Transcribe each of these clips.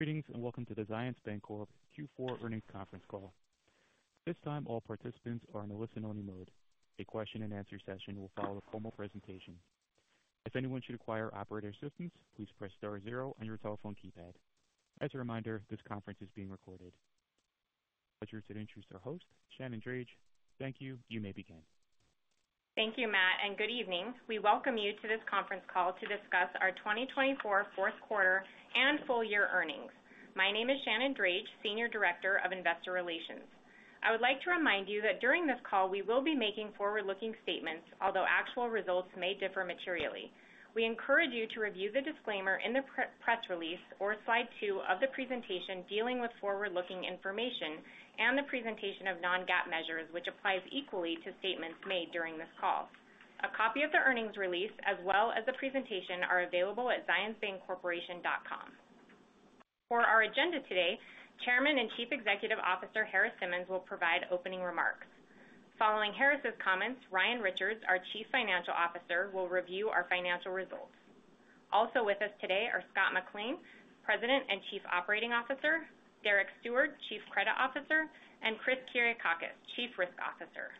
Greetings and welcome to the Zions Bancorporation Q4 Earnings Conference Call. At this time, all participants are in a listen-only mode. A question-and-answer session will follow a formal presentation. If anyone should require operator assistance, please press star zero on your telephone keypad. As a reminder, this conference is being recorded. Please listen to the introducer or host, Shannon Drage. Thank you. You may begin. Thank you, Matt, and good evening. We welcome you to this conference call to discuss our 2024 fourth quarter and full year earnings. My name is Shannon Drage, Senior Director of Investor Relations. I would like to remind you that during this call, we will be making forward-looking statements, although actual results may differ materially. We encourage you to review the disclaimer in the press release or Slide 2 of the presentation dealing with forward-looking information and the presentation of non-GAAP measures, which applies equally to statements made during this call. A copy of the earnings release as well as the presentation are available at zionsbancorporation.com. For our agenda today, Chairman and Chief Executive Officer Harris Simmons will provide opening remarks. Following Harris's comments, Ryan Richards, our Chief Financial Officer, will review our financial results. Also with us today are Scott McLean, President and Chief Operating Officer, Derek Steward, Chief Credit Officer, and Chris Kiriakakis, Chief Risk Officer.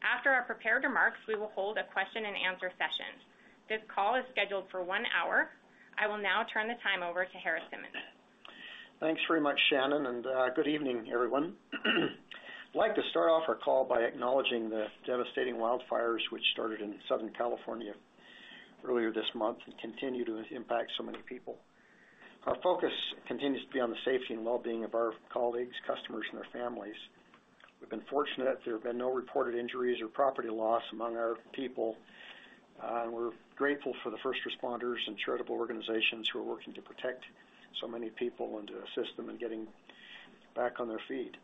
After our prepared remarks, we will hold a question-and-answer session. This call is scheduled for one hour. I will now turn the time over to Harris Simmons. Thanks very much, Shannon, and good evening, everyone. I'd like to start off our call by acknowledging the devastating wildfires which started in Southern California earlier this month and continue to impact so many people. Our focus continues to be on the safety and well-being of our colleagues, customers, and their families. We've been fortunate that there have been no reported injuries or property loss among our people, and we're grateful for the first responders and charitable organizations who are working to protect so many people and to assist them in getting back on their feet.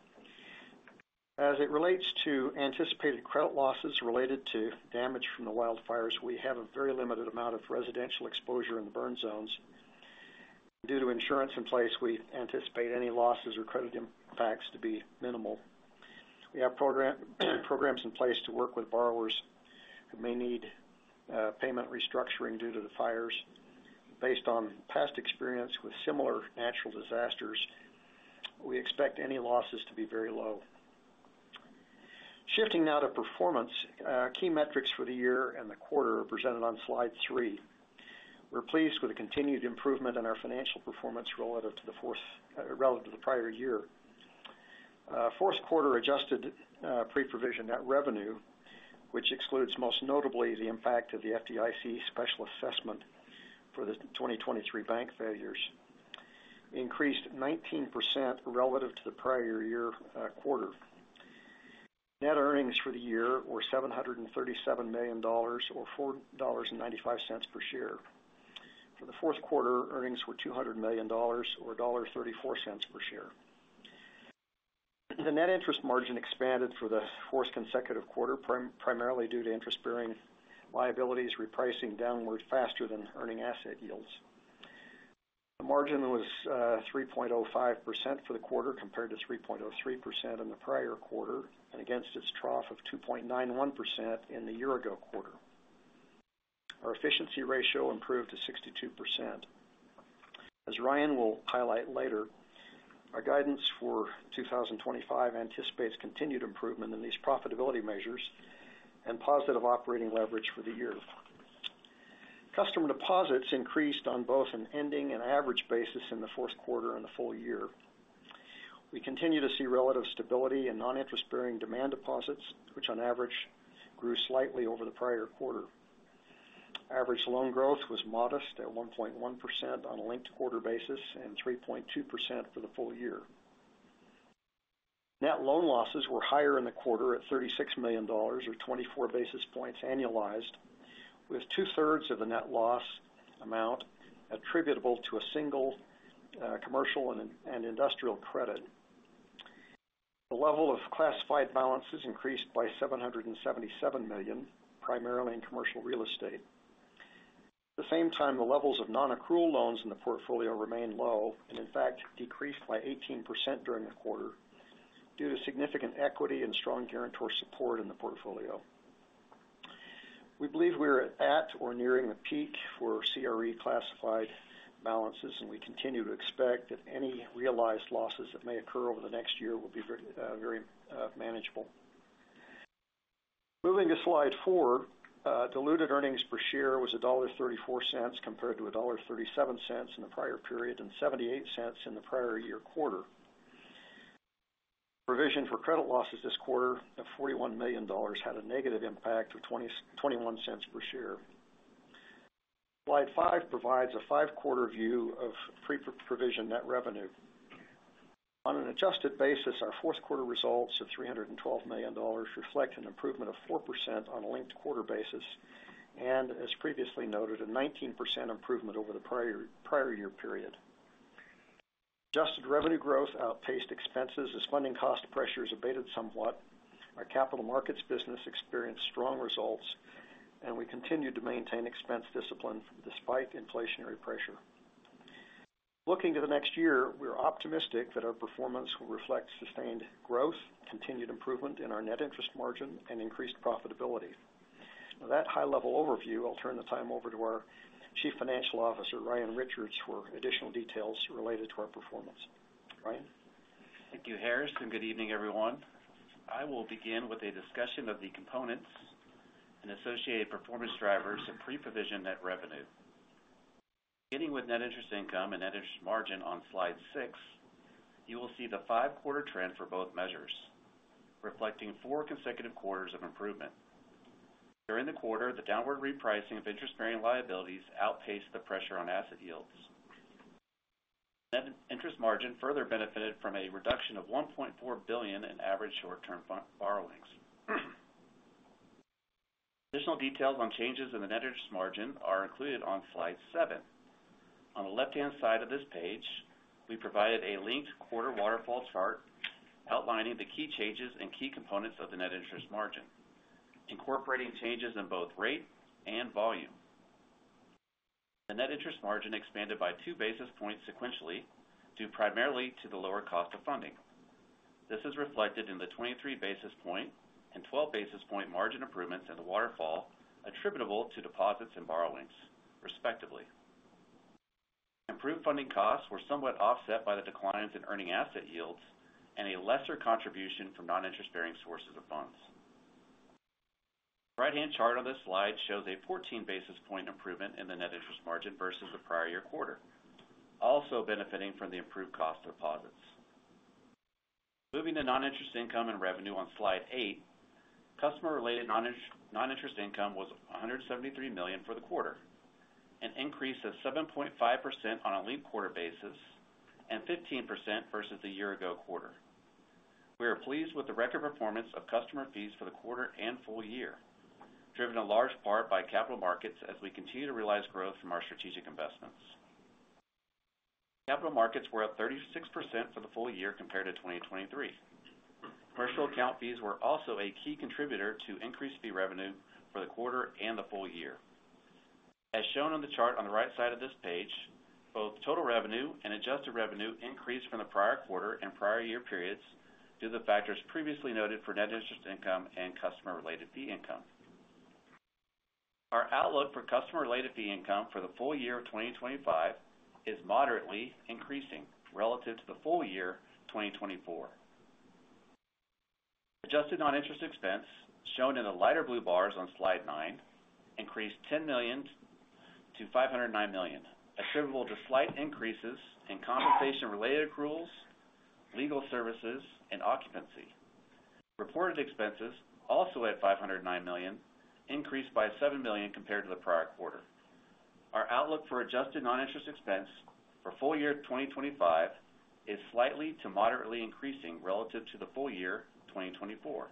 As it relates to anticipated credit losses related to damage from the wildfires, we have a very limited amount of residential exposure in the burn zones. Due to insurance in place, we anticipate any losses or credit impacts to be minimal. We have programs in place to work with borrowers who may need payment restructuring due to the fires. Based on past experience with similar natural disasters, we expect any losses to be very low. Shifting now to performance, key metrics for the year and the quarter are presented on Slide 3. We're pleased with the continued improvement in our financial performance relative to the prior year. Fourth quarter adjusted pre-provision net revenue, which excludes most notably the impact of the FDIC special assessment for the 2023 bank failures, increased 19% relative to the prior year quarter. Net earnings for the year were $737 million or $4.95 per share. For the fourth quarter, earnings were $200 million or $1.34 per share. The net interest margin expanded for the fourth consecutive quarter, primarily due to interest-bearing liabilities repricing downward faster than earning asset yields. The margin was 3.05% for the quarter compared to 3.03% in the prior quarter and against its trough of 2.91% in the year-ago quarter. Our efficiency ratio improved to 62%. As Ryan will highlight later, our guidance for 2025 anticipates continued improvement in these profitability measures and positive operating leverage for the year. Customer deposits increased on both an ending and average basis in the fourth quarter and the full year. We continue to see relative stability in non-interest-bearing demand deposits, which on average grew slightly over the prior quarter. Average loan growth was modest at 1.1% on a linked quarter basis and 3.2% for the full year. Net loan losses were higher in the quarter at $36 million or 24 basis points annualized, with two-thirds of the net loss amount attributable to a single commercial and industrial credit. The level of classified balances increased by $777 million, primarily in commercial real estate. At the same time, the levels of non-accrual loans in the portfolio remain low and, in fact, decreased by 18% during the quarter due to significant equity and strong guarantor support in the portfolio. We believe we are at or nearing the peak for CRE classified balances, and we continue to expect that any realized losses that may occur over the next year will be very manageable. Moving to Slide 4, diluted earnings per share was $1.34 compared to $1.37 in the prior period and $0.78 in the prior year quarter. Provision for credit losses this quarter of $41 million had a negative impact of $0.21 per share. Slide 5 provides a five-quarter view of pre-provision net revenue. On an adjusted basis, our fourth quarter results of $312 million reflect an improvement of 4% on a linked quarter basis and, as previously noted, a 19% improvement over the prior year period. Adjusted revenue growth outpaced expenses as funding cost pressures abated somewhat. Our capital markets business experienced strong results, and we continued to maintain expense discipline despite inflationary pressure. Looking to the next year, we are optimistic that our performance will reflect sustained growth, continued improvement in our net interest margin, and increased profitability. With that high-level overview, I'll turn the time over to our Chief Financial Officer, Ryan Richards, for additional details related to our performance. Ryan? Thank you, Harris, and good evening, everyone. I will begin with a discussion of the components and associated performance drivers of pre-provision net revenue. Beginning with net interest income and net interest margin on Slide 6, you will see the five-quarter trend for both measures, reflecting four consecutive quarters of improvement. During the quarter, the downward repricing of interest-bearing liabilities outpaced the pressure on asset yields. Net interest margin further benefited from a reduction of $1.4 billion in average short-term borrowings. Additional details on changes in the net interest margin are included on Slide 7. On the left-hand side of this page, we provided a linked quarter waterfall chart outlining the key changes and key components of the net interest margin, incorporating changes in both rate and volume. The net interest margin expanded by two basis points sequentially due primarily to the lower cost of funding. This is reflected in the 23 basis points and 12 basis points margin improvements in the waterfall attributable to deposits and borrowings, respectively. Improved funding costs were somewhat offset by the declines in earning asset yields and a lesser contribution from non-interest-bearing sources of funds. The right-hand chart on this slide shows a 14 basis points improvement in the net interest margin versus the prior year quarter, also benefiting from the improved cost of deposits. Moving to non-interest income and revenue on Slide 8, customer-related non-interest income was $173 million for the quarter, an increase of 7.5% on a linked quarter basis and 15% versus the year-ago quarter. We are pleased with the record performance of customer fees for the quarter and full year, driven in large part by capital markets as we continue to realize growth from our strategic investments. Capital markets were up 36% for the full year compared to 2023. Commercial account fees were also a key contributor to increased fee revenue for the quarter and the full year. As shown on the chart on the right side of this page, both total revenue and adjusted revenue increased from the prior quarter and prior year periods due to the factors previously noted for net interest income and customer-related fee income. Our outlook for customer-related fee income for the full year of 2025 is moderately increasing relative to the full year 2024. Adjusted non-interest expense, shown in the lighter blue bars on Slide 9, increased $10 million to $509 million, attributable to slight increases in compensation-related accruals, legal services, and occupancy. Reported expenses, also at $509 million, increased by $7 million compared to the prior quarter. Our outlook for adjusted non-interest expense for full year 2025 is slightly to moderately increasing relative to the full year 2024.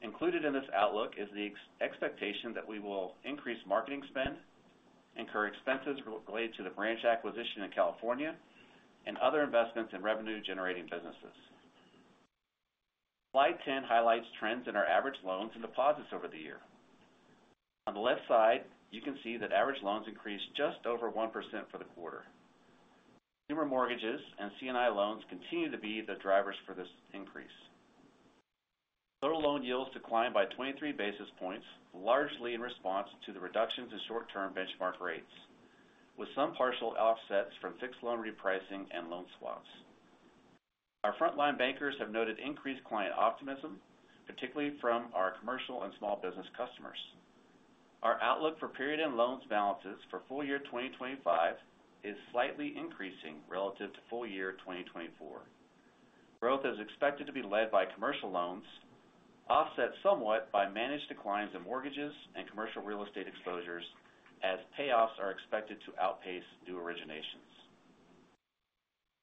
Included in this outlook is the expectation that we will increase marketing spend, incur expenses related to the branch acquisition in California, and other investments in revenue-generating businesses. Slide 10 highlights trends in our average loans and deposits over the year. On the left side, you can see that average loans increased just over 1% for the quarter. Consumer mortgages and C&I loans continue to be the drivers for this increase. Total loan yields declined by 23 basis points, largely in response to the reductions in short-term benchmark rates, with some partial offsets from fixed loan repricing and loan swaps. Our frontline bankers have noted increased client optimism, particularly from our commercial and small business customers. Our outlook for period-end loan balances for full year 2025 is slightly increasing relative to full year 2024. Growth is expected to be led by commercial loans, offset somewhat by managed declines in mortgages and commercial real estate exposures, as payoffs are expected to outpace new originations.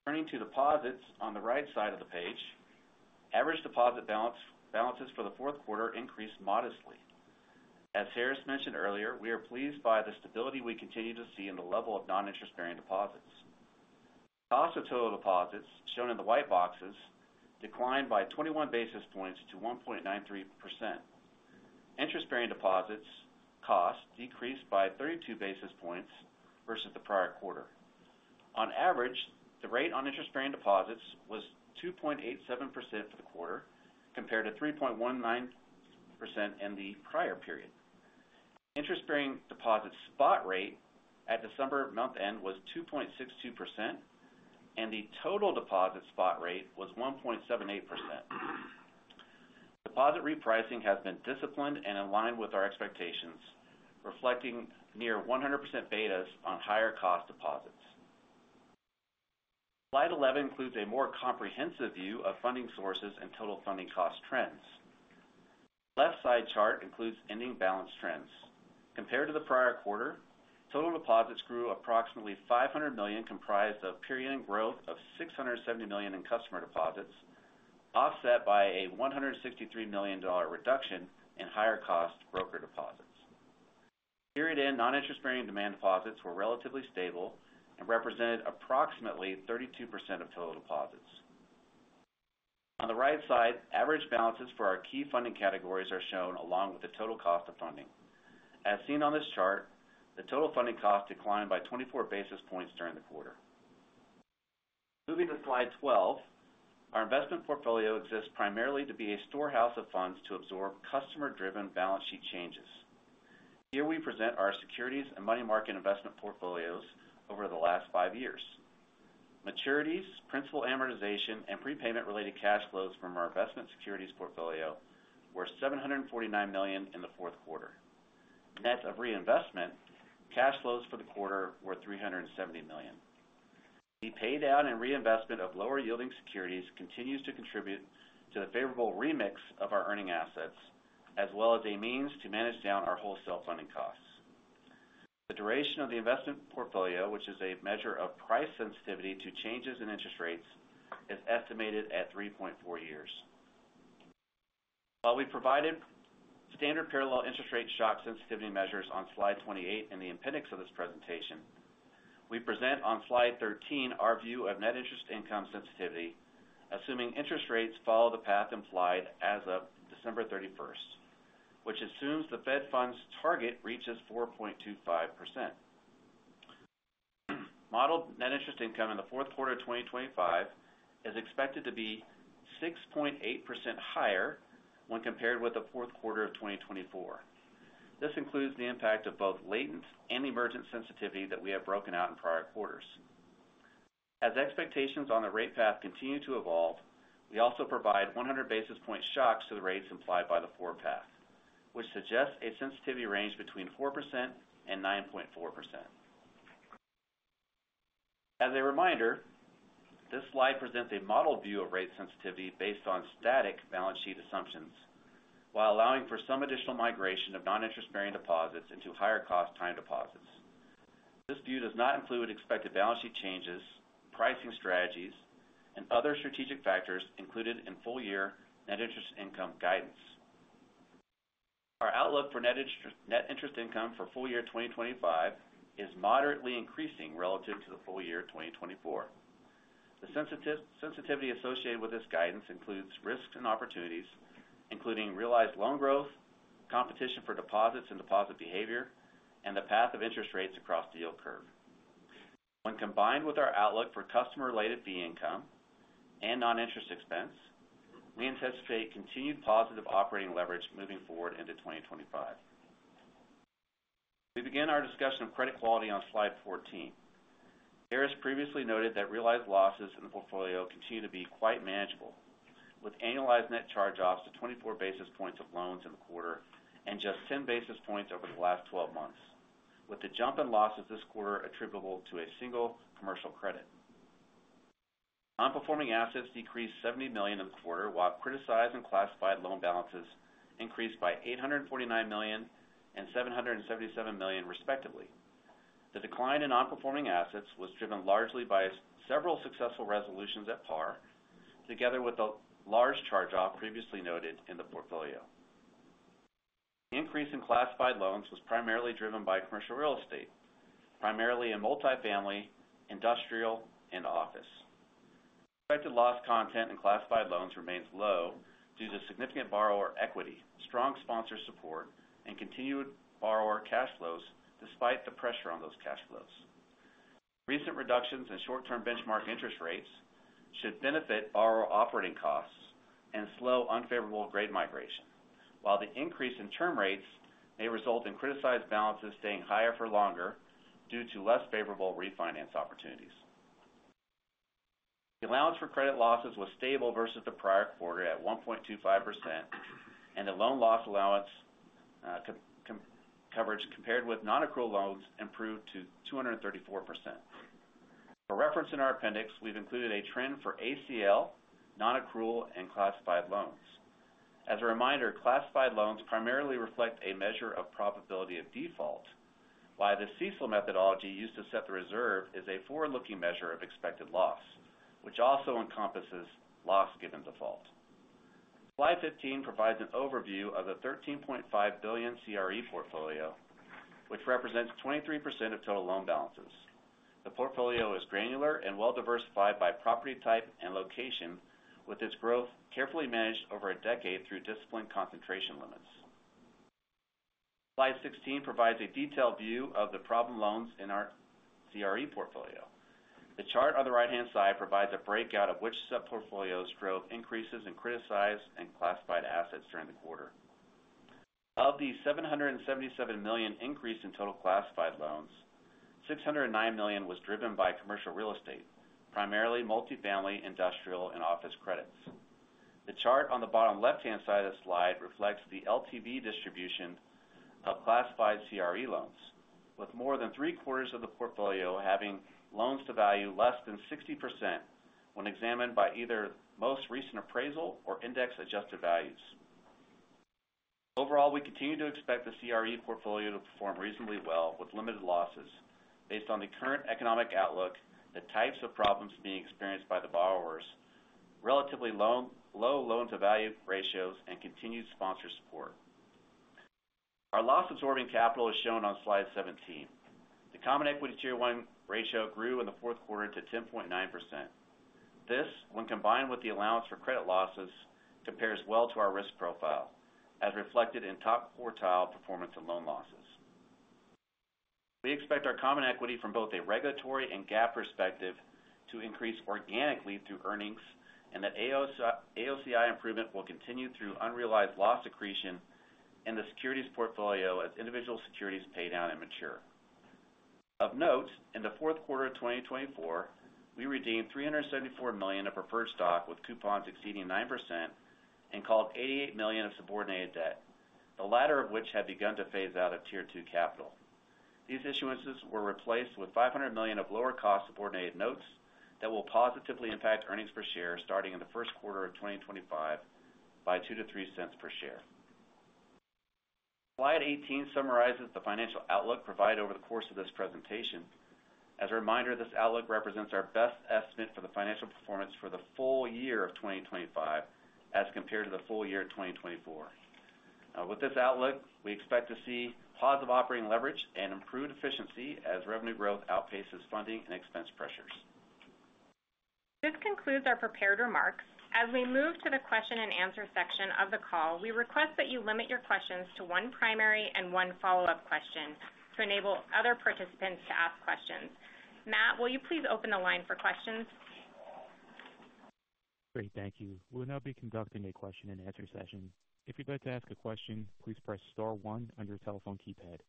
Turning to deposits on the right side of the page, average deposit balances for the fourth quarter increased modestly. As Harris mentioned earlier, we are pleased by the stability we continue to see in the level of non-interest-bearing deposits. Cost of total deposits, shown in the white boxes, declined by 21 basis points to 1.93%. Interest-bearing deposits cost decreased by 32 basis points versus the prior quarter. On average, the rate on interest-bearing deposits was 2.87% for the quarter compared to 3.19% in the prior period. Interest-bearing deposit spot rate at December month-end was 2.62%, and the total deposit spot rate was 1.78%. Deposit repricing has been disciplined and in line with our expectations, reflecting near 100% betas on higher-cost deposits. Slide 11 includes a more comprehensive view of funding sources and total funding cost trends. The left-side chart includes ending balance trends. Compared to the prior quarter, total deposits grew approximately $500 million, comprised of period-end growth of $670 million in customer deposits, offset by a $163 million reduction in higher-cost broker deposits. Period-end non-interest-bearing demand deposits were relatively stable and represented approximately 32% of total deposits. On the right side, average balances for our key funding categories are shown along with the total cost of funding. As seen on this chart, the total funding cost declined by 24 basis points during the quarter. Moving to Slide 12, our investment portfolio exists primarily to be a storehouse of funds to absorb customer-driven balance sheet changes. Here we present our securities and money market investment portfolios over the last five years. Maturities, principal amortization, and prepayment-related cash flows from our investment securities portfolio were $749 million in the fourth quarter. Net of reinvestment, cash flows for the quarter were $370 million. The paydown and reinvestment of lower-yielding securities continues to contribute to the favorable remix of our earning assets, as well as a means to manage down our wholesale funding costs. The duration of the investment portfolio, which is a measure of price sensitivity to changes in interest rates, is estimated at 3.4 years. While we provided standard parallel interest rate shock sensitivity measures on Slide 28 in the appendix of this presentation, we present on Slide 13 our view of net interest income sensitivity, assuming interest rates follow the path implied as of December 31st, which assumes the Fed funds target reaches 4.25%. Modeled net interest income in the fourth quarter of 2025 is expected to be 6.8% higher when compared with the fourth quarter of 2024. This includes the impact of both latent and emergent sensitivity that we have broken out in prior quarters. As expectations on the rate path continue to evolve, we also provide 100 basis points shocks to the rates implied by the forward path, which suggests a sensitivity range between 4% and 9.4%. As a reminder, this slide presents a modeled view of rate sensitivity based on static balance sheet assumptions, while allowing for some additional migration of non-interest-bearing deposits into higher-cost time deposits. This view does not include expected balance sheet changes, pricing strategies, and other strategic factors included in full year net interest income guidance. Our outlook for net interest income for full year 2025 is moderately increasing relative to the full year 2024. The sensitivity associated with this guidance includes risks and opportunities, including realized loan growth, competition for deposits and deposit behavior, and the path of interest rates across the yield curve. When combined with our outlook for customer-related fee income and non-interest expense, we anticipate continued positive operating leverage moving forward into 2025. We begin our discussion of credit quality on Slide 14. Harris previously noted that realized losses in the portfolio continue to be quite manageable, with annualized net charge-offs to 24 basis points of loans in the quarter and just 10 basis points over the last 12 months, with the jump in losses this quarter attributable to a single commercial credit. Non-performing assets decreased $70 million in the quarter, while criticized and classified loan balances increased by $849 million and $777 million, respectively. The decline in non-performing assets was driven largely by several successful resolutions at par, together with a large charge-off previously noted in the portfolio. Increase in classified loans was primarily driven by commercial real estate, primarily in multifamily, industrial, and office. Expected loss content in classified loans remains low due to significant borrower equity, strong sponsor support, and continued borrower cash flows despite the pressure on those cash flows. Recent reductions in short-term benchmark interest rates should benefit borrower operating costs and slow unfavorable grade migration, while the increase in term rates may result in criticized balances staying higher for longer due to less favorable refinance opportunities. The allowance for credit losses was stable versus the prior quarter at 1.25%, and the loan loss allowance coverage compared with non-accrual loans improved to 234%. For reference in our appendix, we've included a trend for ACL, non-accrual, and classified loans. As a reminder, classified loans primarily reflect a measure of probability of default, while the CECL methodology used to set the reserve is a forward-looking measure of expected loss, which also encompasses loss given default. Slide 15 provides an overview of the $13.5 billion CRE portfolio, which represents 23% of total loan balances. The portfolio is granular and well-diversified by property type and location, with its growth carefully managed over a decade through disciplined concentration limits. Slide 16 provides a detailed view of the problem loans in our CRE portfolio. The chart on the right-hand side provides a breakout of which sub-portfolios drove increases in criticized and classified assets during the quarter. Of the $777 million increase in total classified loans, $609 million was driven by commercial real estate, primarily multifamily, industrial, and office credits. The chart on the bottom left-hand side of the slide reflects the LTV distribution of classified CRE loans, with more than three-quarters of the portfolio having loan-to-value less than 60% when examined by either most recent appraisal or index-adjusted values. Overall, we continue to expect the CRE portfolio to perform reasonably well with limited losses based on the current economic outlook, the types of problems being experienced by the borrowers, relatively low loan-to-value ratios, and continued sponsor support. Our loss-absorbing capital is shown on Slide 17. The Common Equity Tier 1 ratio grew in the fourth quarter to 10.9%. This, when combined with the allowance for credit losses, compares well to our risk profile, as reflected in top quartile performance and loan losses. We expect our common equity from both a regulatory and GAAP perspective to increase organically through earnings and that AOCI improvement will continue through unrealized loss accretion in the securities portfolio as individual securities pay down and mature. Of note, in the fourth quarter of 2024, we redeemed $374 million of preferred stock with coupons exceeding 9% and called $88 million of subordinated debt, the latter of which had begun to phase out of Tier 2 capital. These issuances were replaced with $500 million of lower-cost subordinated notes that will positively impact earnings per share starting in the first quarter of 2025 by $0.02 to $0.03 per share. Slide 18 summarizes the financial outlook provided over the course of this presentation. As a reminder, this outlook represents our best estimate for the financial performance for the full year of 2025 as compared to the full year of 2024. With this outlook, we expect to see positive operating leverage and improved efficiency as revenue growth outpaces funding and expense pressures. This concludes our prepared remarks. As we move to the question-and-answer section of the call, we request that you limit your questions to one primary and one follow-up question to enable other participants to ask questions. Matt, will you please open the line for questions? Great. Thank you. We will now be conducting a question-and-answer session. If you'd like to ask a question, please press star one on your telephone keypad.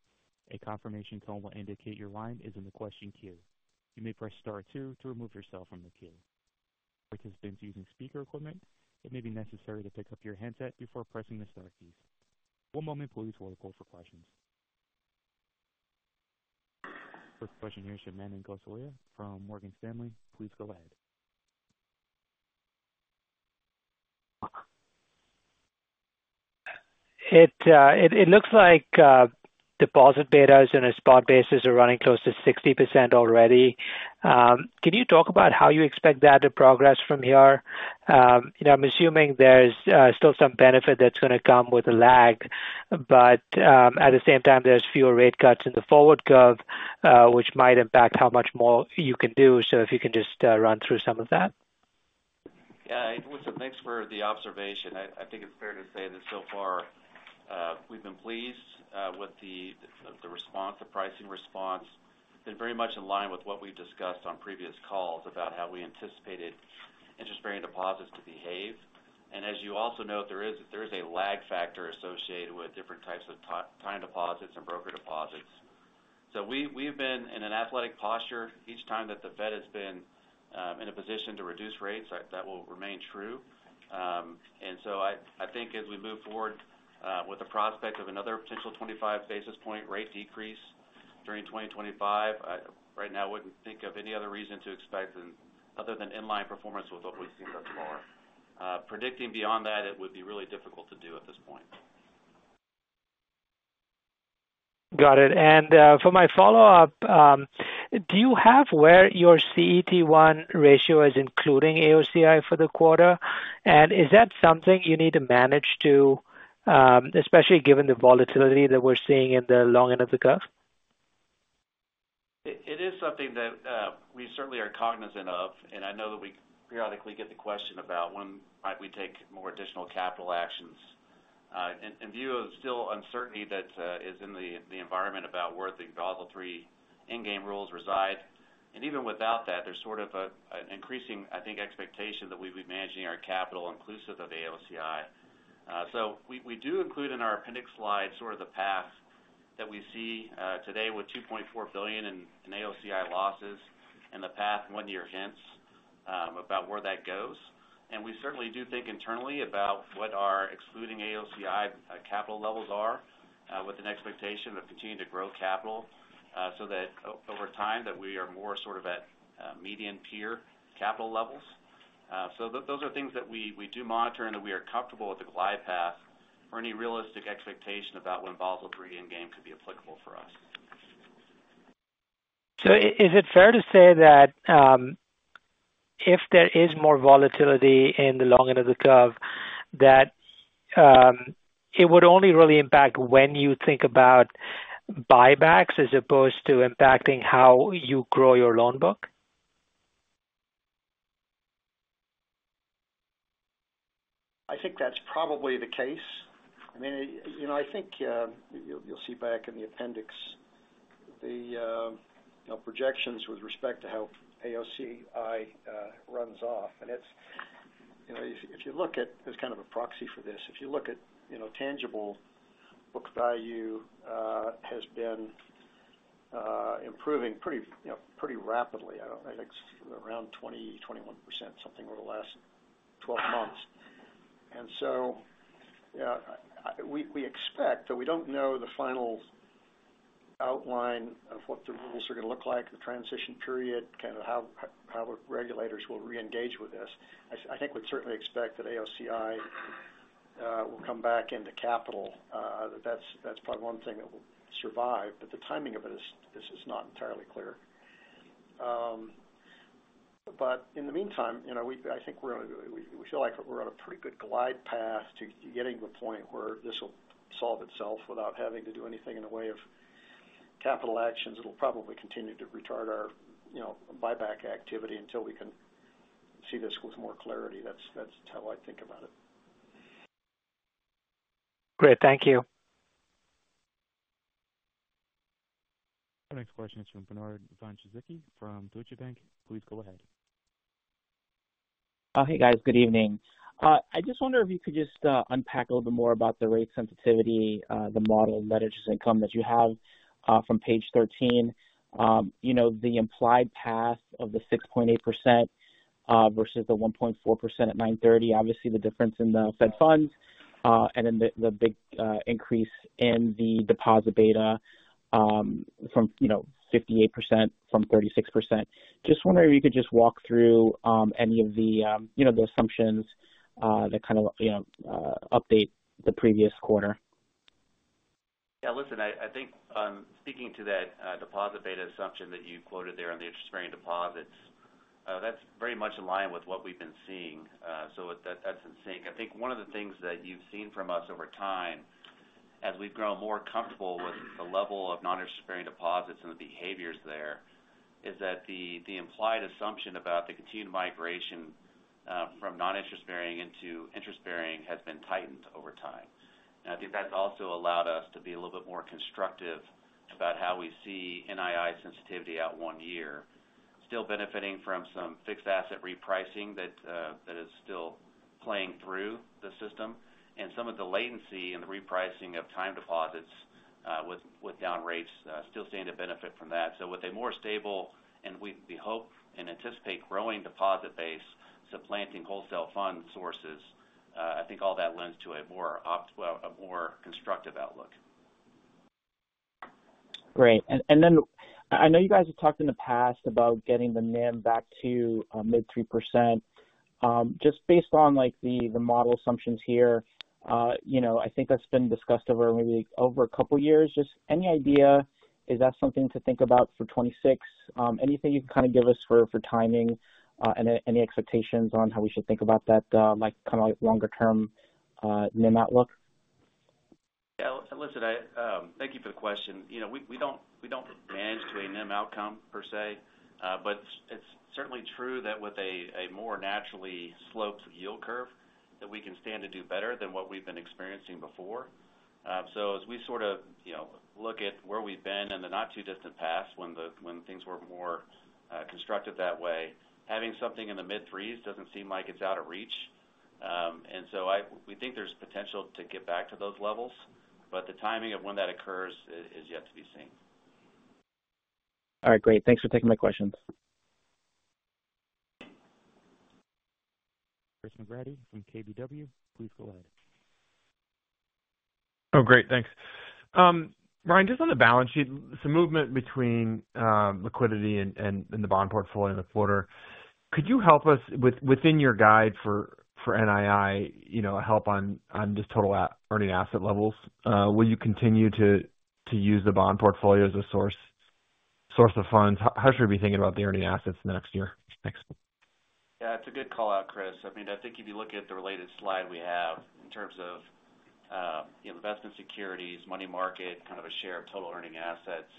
A confirmation tone will indicate your line is in the question queue. You may press star two to remove yourself from the queue. Participants using speaker equipment, it may be necessary to pick up your handset before pressing the star keys. One moment, please, we'll record for questions. First question is from Manan Gosalia from Morgan Stanley. Please go ahead. It looks like deposit betas and spot basis are running close to 60% already. Can you talk about how you expect that to progress from here? I'm assuming there's still some benefit that's going to come with the lag, but at the same time, there's fewer rate cuts in the forward curve, which might impact how much more you can do. So if you can just run through some of that. Yeah. Thanks for the observation. I think it's fair to say that so far we've been pleased with the response, the pricing response. It's been very much in line with what we've discussed on previous calls about how we anticipated interest-bearing deposits to behave. And as you also know, there is a lag factor associated with different types of time deposits and broker deposits. So we've been in an athletic posture each time that the Fed has been in a position to reduce rates. That will remain true. And so I think as we move forward with the prospect of another potential 25 basis point rate decrease during 2025, right now, I wouldn't think of any other reason to expect other than inline performance with what we've seen thus far. Predicting beyond that, it would be really difficult to do at this point. Got it. And for my follow-up, do you have where your CET1 ratio is including AOCI for the quarter? And is that something you need to manage too, especially given the volatility that we're seeing in the long end of the curve? It is something that we certainly are cognizant of, and I know that we periodically get the question about when might we take more additional capital actions. In view of the still uncertainty that is in the environment about where all the Basel III endgame rules reside, and even without that, there's sort of an increasing, I think, expectation that we'll be managing our capital inclusive of AOCI. So we do include in our appendix slide sort of the path that we see today with $2.4 billion in AOCI losses and the path one year hence about where that goes. We certainly do think internally about what our excluding AOCI capital levels are with an expectation of continuing to grow capital so that over time that we are more sort of at median tier capital levels. Those are things that we do monitor and that we are comfortable with the glide path for any realistic expectation about when Basel III endgame could be applicable for us. So is it fair to say that if there is more volatility in the long end of the curve, that it would only really impact when you think about buybacks as opposed to impacting how you grow your loan book? I think that's probably the case. I mean, I think you'll see back in the appendix the projections with respect to how AOCI runs off. And if you look at, there's kind of a proxy for this. If you look at tangible book value, it has been improving pretty rapidly. I think it's around 20%-21%, something over the last 12 months. And so we expect, though we don't know the final outline of what the rules are going to look like, the transition period, kind of how regulators will re-engage with this. I think we'd certainly expect that AOCI will come back into capital. That's probably one thing that will survive, but the timing of this is not entirely clear. But in the meantime, I think we feel like we're on a pretty good glide path to getting to a point where this will solve itself without having to do anything in the way of capital actions. It'll probably continue to retard our buyback activity until we can see this with more clarity. That's how I think about it. Great. Thank you. Next question is from Bernard von Gizycki from Deutsche Bank. Please go ahead. Hey, guys. Good evening. I just wonder if you could just unpack a little bit more about the rate sensitivity, the model of ledgers of income that you have from Page 13, the implied path of the 6.8% versus the 1.4% at 930, obviously the difference in the Fed funds, and then the big increase in the deposit beta from 58% from 36%. Just wondering if you could just walk through any of the assumptions that kind of update the previous quarter. Yeah. Listen, I think speaking to that deposit beta assumption that you quoted there on the interest-bearing deposits, that's very much in line with what we've been seeing. So that's in sync. I think one of the things that you've seen from us over time as we've grown more comfortable with the level of non-interest-bearing deposits and the behaviors there is that the implied assumption about the continued migration from non-interest-bearing into interest-bearing has been tightened over time. And I think that's also allowed us to be a little bit more constructive about how we see NII sensitivity out one year, still benefiting from some fixed asset repricing that is still playing through the system, and some of the latency in the repricing of time deposits with down rates still seeing a benefit from that. So with a more stable, and we hope and anticipate growing deposit base, supplanting wholesale fund sources, I think all that lends to a more constructive outlook. Great. And then I know you guys have talked in the past about getting the NIM back to mid-3%. Just based on the model assumptions here, I think that's been discussed over maybe a couple of years. Just any idea, is that something to think about for 2026? Anything you can kind of give us for timing and any expectations on how we should think about that kind of longer-term NIM outlook? Listen, thank you for the question. We don't manage to a NIM outcome per se, but it's certainly true that with a more naturally sloped yield curve that we can stand to do better than what we've been experiencing before. So as we sort of look at where we've been in the not-too-distant past when things were more constructive that way, having something in the mid-3s doesn't seem like it's out of reach. And so we think there's potential to get back to those levels, but the timing of when that occurs is yet to be seen. All right. Great. Thanks for taking my questions. Chris McGratty from KBW. Please go ahead. Oh, great. Thanks. Ryan, just on the balance sheet, some movement between liquidity and the bond portfolio in the quarter. Could you help us within your guide for NII, help on just total earning asset levels? Will you continue to use the bond portfolio as a source of funds? How should we be thinking about the earning assets next year? Yeah. It's a good call out, Chris. I mean, I think if you look at the related slide we have in terms of investment securities, money market, kind of a share of total earning assets,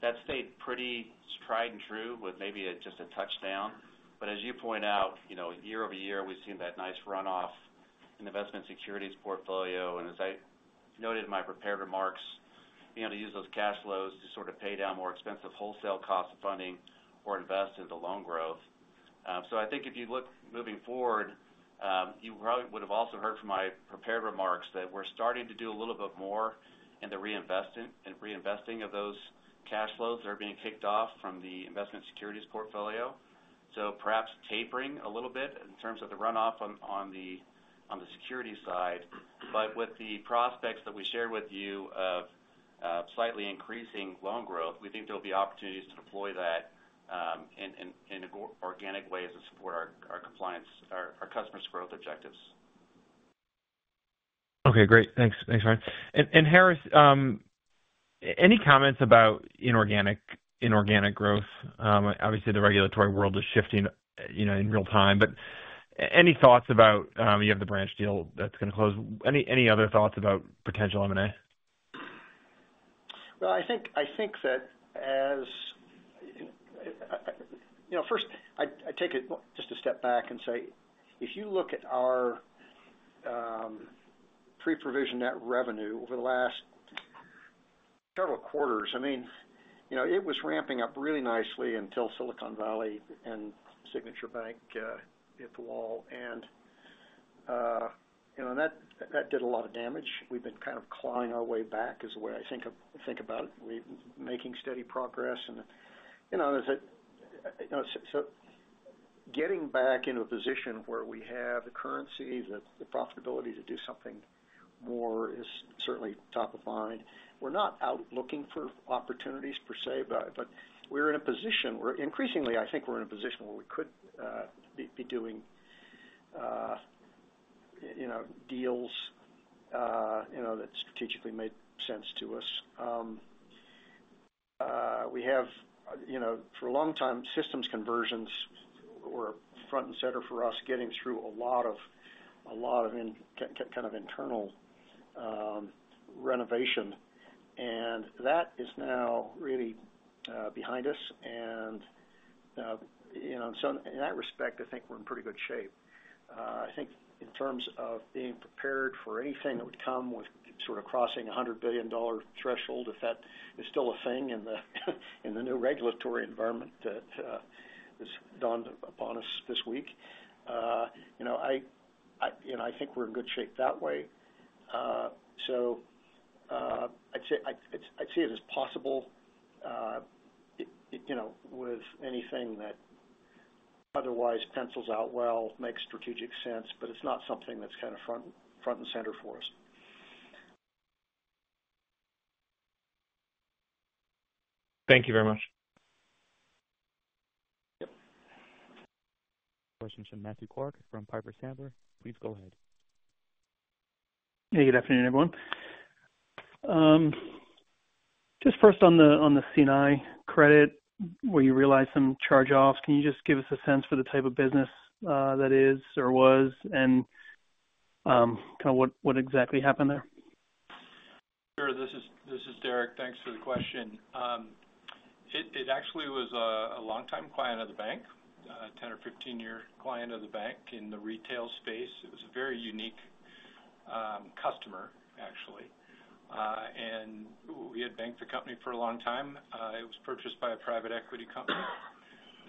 that stayed pretty tried and true with maybe just a touchdown. But as you point out, year-over-year, we've seen that nice runoff in investment securities portfolio. And as I noted in my prepared remarks, being able to use those cash flows to sort of pay down more expensive wholesale costs of funding or invest into loan growth. So I think if you look moving forward, you probably would have also heard from my prepared remarks that we're starting to do a little bit more in the reinvesting of those cash flows that are being kicked off from the investment securities portfolio. So perhaps tapering a little bit in terms of the runoff on the security side. But with the prospects that we shared with you of slightly increasing loan growth, we think there will be opportunities to deploy that in organic ways to support our customer's growth objectives. Okay. Great. Thanks, Ryan. And Harris, any comments about inorganic growth? Obviously, the regulatory world is shifting in real time, but any thoughts about? You have the branch deal that's going to close. Any other thoughts about potential M&A? Well, I think that, first, I take it just a step back and say, if you look at our pre-provision net revenue over the last several quarters, I mean, it was ramping up really nicely until Silicon Valley Bank and Signature Bank hit the wall. And that did a lot of damage. We've been kind of clawing our way back is the way I think about it. We're making steady progress. And so getting back into a position where we have the currency, the profitability to do something more is certainly top of mind. We're not out looking for opportunities per se, but we're in a position where increasingly, I think we're in a position where we could be doing deals that strategically made sense to us. We have, for a long time, systems conversions were front and center for us, getting through a lot of kind of internal renovation. And that is now really behind us. And so in that respect, I think we're in pretty good shape. I think in terms of being prepared for anything that would come with sort of crossing a $100 billion threshold, if that is still a thing in the new regulatory environment that has dawned upon us this week, I think we're in good shape that way. So I'd say it is possible with anything that otherwise pencils out well, makes strategic sense, but it's not something that's kind of front and center for us. Thank you very much. Yep. Question from Matthew Clark from Piper Sandler. Please go ahead. Hey. Good afternoon, everyone. Just first on the C&I credit, where you realized some charge-offs, can you just give us a sense for the type of business that is or was and kind of what exactly happened there? Sure. This is Derek. Thanks for the question. It actually was a longtime client of the bank, a 10- or 15-year client of the bank in the retail space. It was a very unique customer, actually, and we had banked the company for a long time. It was purchased by a private equity company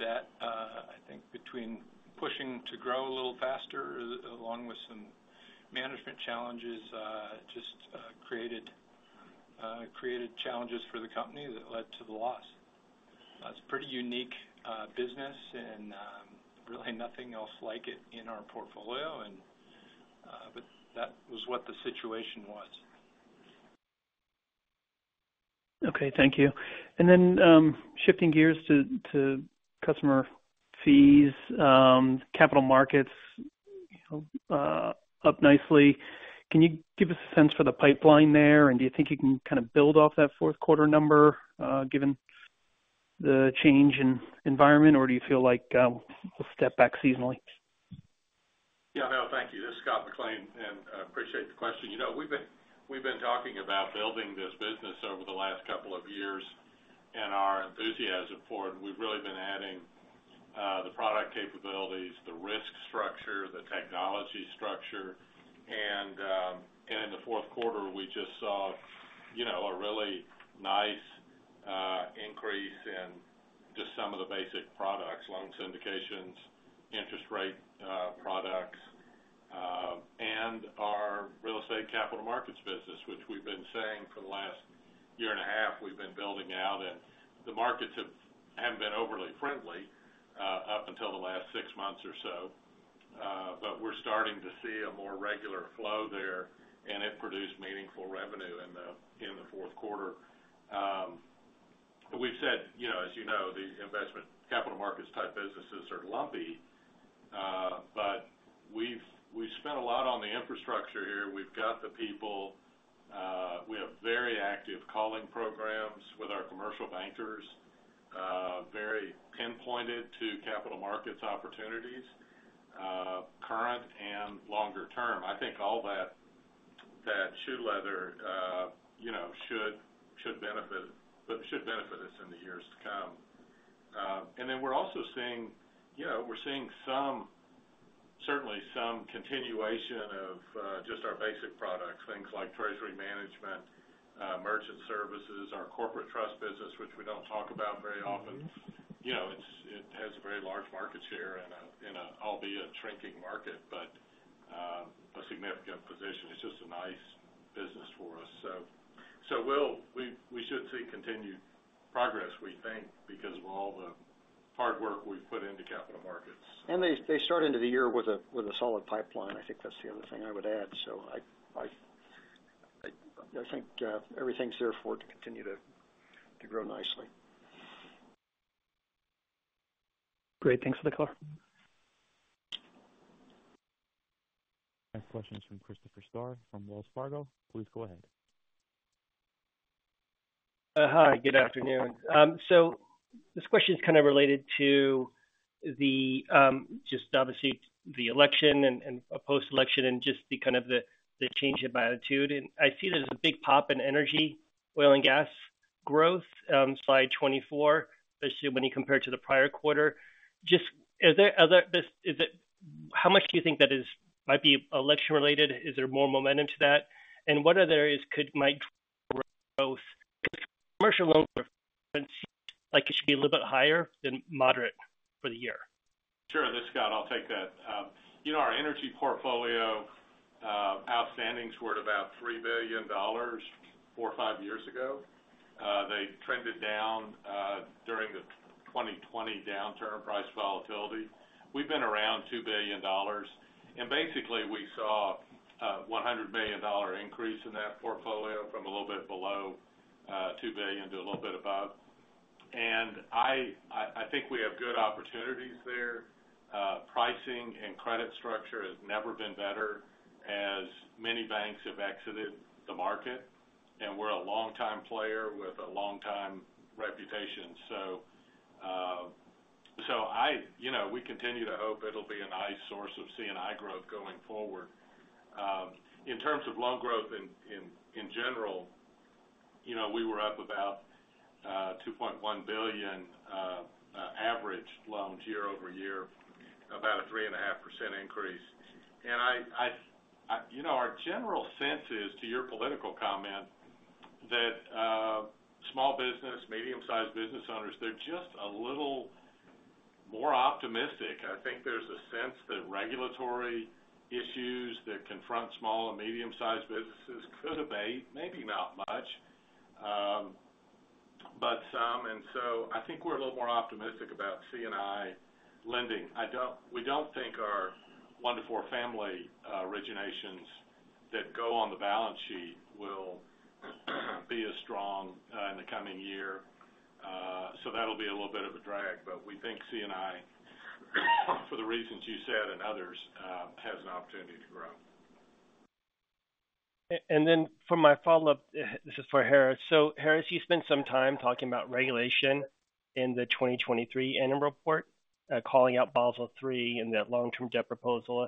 that I think, between pushing to grow a little faster, along with some management challenges, just created challenges for the company that led to the loss. It's a pretty unique business and really nothing else like it in our portfolio. But that was what the situation was. Okay. Thank you. And then shifting gears to customer fees, capital markets up nicely. Can you give us a sense for the pipeline there? And do you think you can kind of build off that fourth quarter number given the change in environment, or do you feel like we'll step back seasonally? Yeah. No. Thank you. This is Scott McLean, and I appreciate the question. We've been talking about building this business over the last couple of years and our enthusiasm for it. We've really been adding the product capabilities, the risk structure, the technology structure. And in the fourth quarter, we just saw a really nice increase in just some of the basic products, loan syndications, interest rate products, and our real estate capital markets business, which we've been saying for the last year and a half we've been building out. The markets haven't been overly friendly up until the last six months or so, but we're starting to see a more regular flow there, and it produced meaningful revenue in the fourth quarter. We've said, as you know, the investment capital markets type businesses are lumpy, but we've spent a lot on the infrastructure here. We've got the people. We have very active calling programs with our commercial bankers, very pinpointed to capital markets opportunities, current and longer term. I think all that shoe leather should benefit us in the years to come. Then we're also seeing certainly some continuation of just our basic products, things like treasury management, merchant services, our corporate trust business, which we don't talk about very often. It has a very large market share in an albeit shrinking market, but a significant position. It's just a nice business for us. So we should see continued progress, we think, because of all the hard work we've put into capital markets. And they start into the year with a solid pipeline. I think that's the other thing I would add. So I think everything's there for it to continue to grow nicely. Great. Thanks for the color. Next question is from Christopher Spahr from Wells Fargo. Please go ahead. Hi. Good afternoon. So this question is kind of related to just obviously the election and post-election and just kind of the change in latitude. And I see there's a big pop in energy, oil, and gas growth, Slide 24, especially when you compare it to the prior quarter. Just how much do you think that might be election-related? Is there more momentum to that? And what other areas might drive growth? Because commercial loan performance, it should be a little bit higher than moderate for the year. Sure. This is Scott. I'll take that. Our energy portfolio outstandings were at about $3 billion four or five years ago. They trended down during the 2020 downturn price volatility. We've been around $2 billion. And basically, we saw a $100 million increase in that portfolio from a little bit below $2 billion to a little bit above. And I think we have good opportunities there. Pricing and credit structure has never been better as many banks have exited the market. And we're a longtime player with a longtime reputation. So we continue to hope it'll be a nice source of C&I growth going forward. In terms of loan growth in general, we were up about $2.1 billion average loans year-over-year, about a 3.5% increase. Our general sense is, to your political comment, that small business, medium-sized business owners, they're just a little more optimistic. I think there's a sense that regulatory issues that confront small and medium-sized businesses could abate, maybe not much, but some. I think we're a little more optimistic about C&I lending. We don't think our one- to four-family originations that go on the balance sheet will be as strong in the coming year. That'll be a little bit of a drag. We think C&I, for the reasons you said and others, has an opportunity to grow. For my follow-up, this is for Harris. Harris, you spent some time talking about regulation in the 2023 annual report, calling out Basel III and that long-term debt proposal.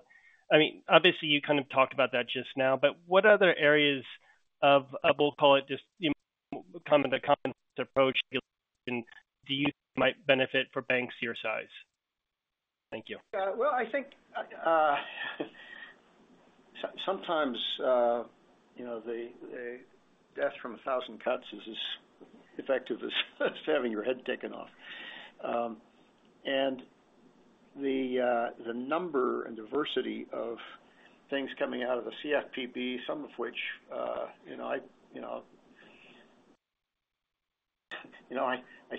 I mean, obviously, you kind of talked about that just now, but what other areas of, we'll call it just common approach, do you think might benefit for banks your size? Thank you. Well, I think sometimes the death from a thousand cuts is as effective as having your head taken off. And the number and diversity of things coming out of the CFPB, some of which I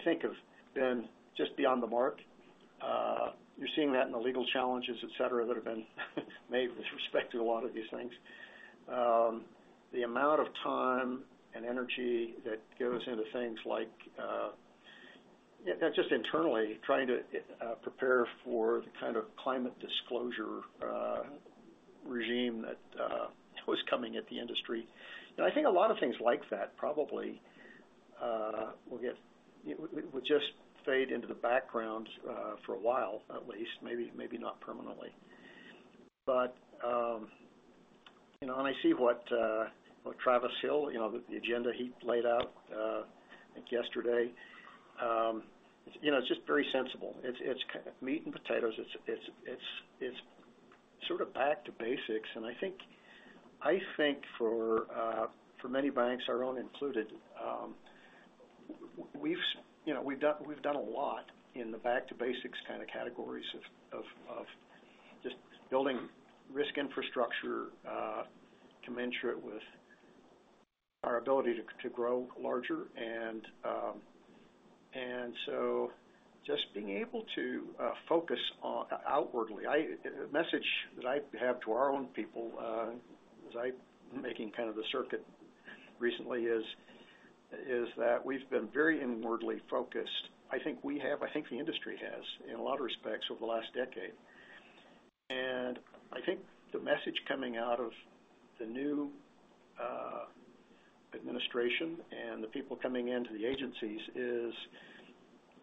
think have been just beyond the mark. You're seeing that in the legal challenges, etc., that have been made with respect to a lot of these things. The amount of time and energy that goes into things like just internally trying to prepare for the kind of climate disclosure regime that was coming at the industry. And I think a lot of things like that probably will just fade into the background for a while, at least, maybe not permanently. But when I see what Travis Hill, the agenda he laid out yesterday, it's just very sensible. It's meat and potatoes. It's sort of back to basics. And I think for many banks, our own included, we've done a lot in the back-to-basics kind of categories of just building risk infrastructure commensurate with our ability to grow larger. And so just being able to focus outwardly, the message that I have to our own people as I'm making kind of the circuit recently is that we've been very inwardly focused. I think we have, I think the industry has in a lot of respects over the last decade. And I think the message coming out of the new administration and the people coming into the agencies is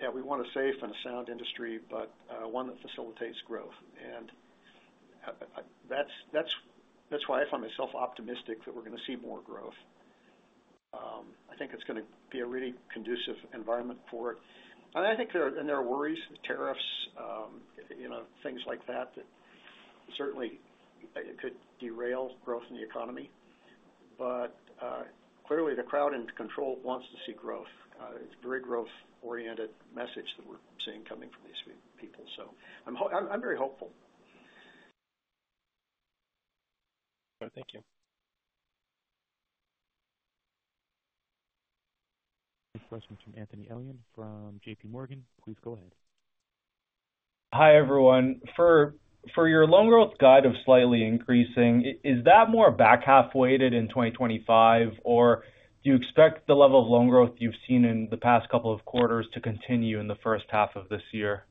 that we want a safe and a sound industry, but one that facilitates growth. And that's why I find myself optimistic that we're going to see more growth. I think it's going to be a really conducive environment for it. And I think there are worries, tariffs, things like that that certainly could derail growth in the economy. But clearly, the crowd in control wants to see growth. It's a very growth-oriented message that we're seeing coming from these people. So I'm very hopeful. All right. Thank you. Next question from Anthony Elian from JPMorgan. Please go ahead. Hi everyone. For your loan growth guide of slightly increasing, is that more back half-weighted in 2025, or do you expect the level of loan growth you've seen in the past couple of quarters to continue in the first half of this year?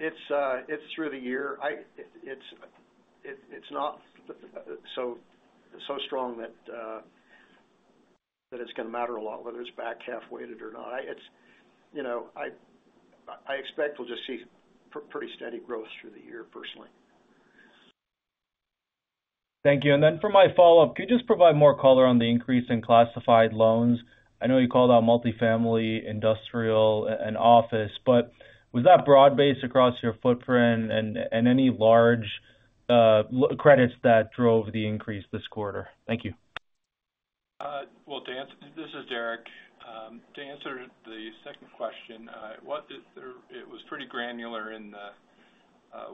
It's through the year. It's not so strong that it's going to matter a lot whether it's back half-weighted or not. I expect we'll just see pretty steady growth through the year, personally. Thank you. And then for my follow-up, could you just provide more color on the increase in classified loans? I know you called out multifamily, industrial, and office, but was that broad-based across your footprint and any large credits that drove the increase this quarter? Thank you. Well, this is Derek. To answer the second question, it was pretty granular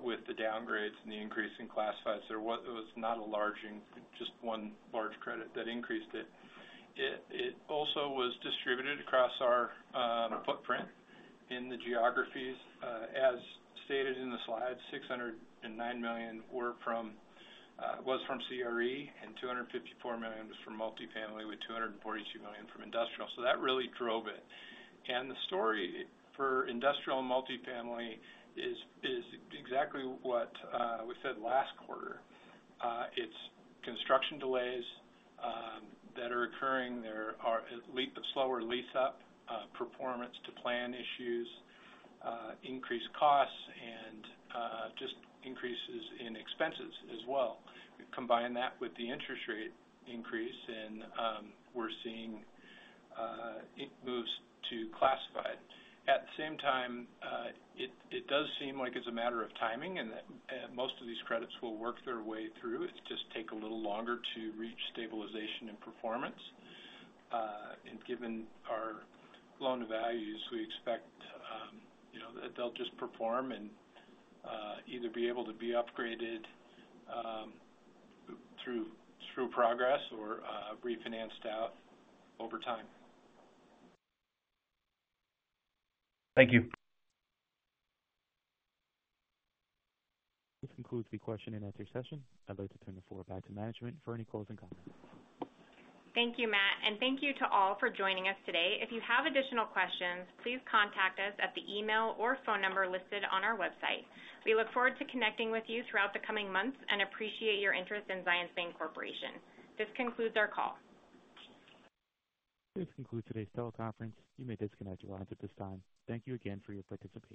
with the downgrades and the increase in classifieds. There was not a large, just one large credit that increased it. It also was distributed across our footprint in the geographies. As stated in the slides, $609 million was from CRE, and $254 million was from multifamily, with $242 million from industrial. So that really drove it. And the story for industrial and multifamily is exactly what we said last quarter. It's construction delays that are occurring. There are slower lease-up, performance-to-plan issues, increased costs, and just increases in expenses as well. Combine that with the interest rate increase, and we're seeing it moves to classified. At the same time, it does seem like it's a matter of timing, and most of these credits will work their way through. It's just take a little longer to reach stabilization and performance. And given our loan values, we expect that they'll just perform and either be able to be upgraded through progress or refinanced out over time. Thank you. This concludes the question-and-answer session. I'd like to turn the floor back to management for any closing comments. Thank you, Matt. And thank you to all for joining us today. If you have additional questions, please contact us at the email or phone number listed on our website. We look forward to connecting with you throughout the coming months and appreciate your interest in Zions Bancorporation. This concludes our call. This concludes today's teleconference. You may disconnect your lines at this time. Thank you again for your participation.